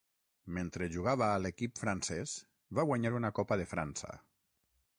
Mentre jugava a l'equip francès va guanyar una Copa de França.